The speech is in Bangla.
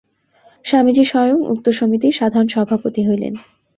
স্বামীজী স্বয়ং উক্ত সমিতির সাধারণ সভাপতি হইলেন।